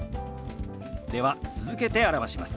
では続けて表します。